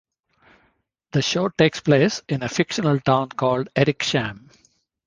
The show takes place in a fictional town called Erikshamn.